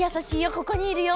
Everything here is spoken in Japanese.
ここにいるよ！